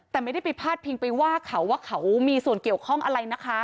แต่ไม่ได้โภสถ์เพียงไปว่าเขามีส่วนเกี่ยวข้องอะไรนะคะ